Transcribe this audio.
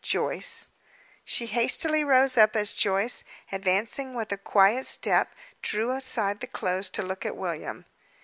Joyce. She hastily rose up, as Joyce, advancing with a quiet step drew aside the clothes to look at William.